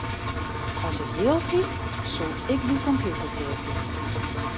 As ik jild hie, soe ik dy kompjûter keapje.